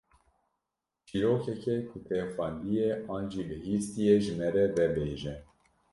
Çîrokeke ku te xwendiye an jî bihîstiye ji me re vebêje.